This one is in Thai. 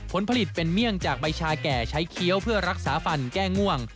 ผลผลิตเป็นเมี่ยงจากใบชาแก่ใช้เคี้ยวเพื่อรักษาฟันแก้ง่วง